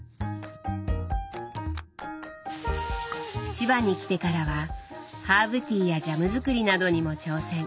千葉に来てからはハーブティーやジャム作りなどにも挑戦。